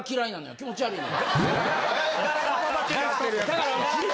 気持ち悪いねん。